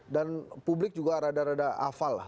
dan publik juga rada rada hafal lah